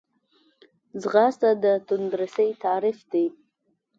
ځغاسته د تندرستۍ تعریف دی